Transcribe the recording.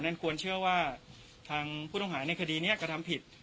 ควรเชื่อว่าทางผู้ต้องหาในคดีนี้กระทำผิด